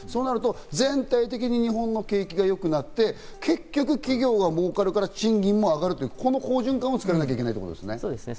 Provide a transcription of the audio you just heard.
そうなると全体的に日本の景気が良くなって、結局、企業が儲かるから賃金も上がるという、この好循環を作らなければいけないってことですね。